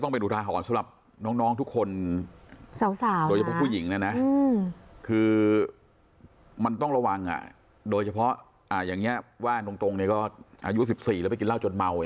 ผู้หญิงนะนะคือมันต้องระวังอ่ะโดยเฉพาะอ่าอย่างเงี้ยว่าตรงตรงเนี้ยก็อายุสิบสี่แล้วไปกินเหล้าจนเมาอ่ะ